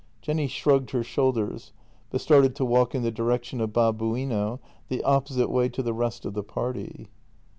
Jenny shrugged her shoulders, but started to walk in the direction of Babuino — the opposite way to the rest of the party.